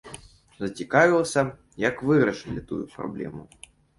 Зацікавіўся, як вырашылі тую праблему.